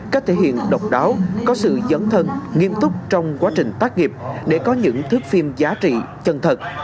cách thể hiện độc đáo có sự dấn thân nghiêm túc trong quá trình tác nghiệp để có những thước phim giá trị chân thật